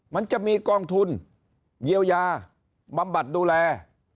มันจะมีกองทุนเยียวยาบำบัดดูแล